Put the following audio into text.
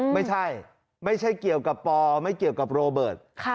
ไม่ใช่ไม่ใช่เกี่ยวกับปอไม่เกี่ยวกับโรเบิร์ต